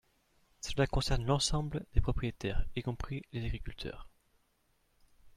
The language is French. Cela concerne l’ensemble des propriétaires, y compris les agriculteurs.